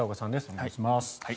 お願いします。